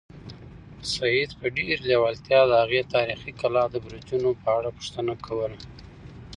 سعید په ډېرې لېوالتیا د هغې تاریخي کلا د برجونو په اړه پوښتنه کوله.